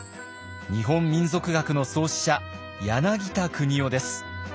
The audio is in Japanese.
日本民俗学の創始者柳田国男です。